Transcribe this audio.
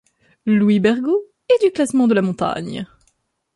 Louis Bergaud est du classement de la Montagne.